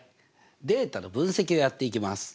データの分析をやっていきます。